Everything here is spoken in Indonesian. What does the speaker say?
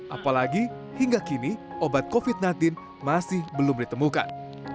apalagi hingga kini obat covid sembilan belas masih belum ditemukan